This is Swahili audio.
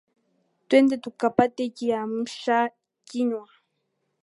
Twende tukapate kiamsha kinywa.